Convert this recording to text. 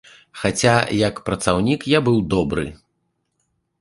Хаця як працаўнік я быў добры.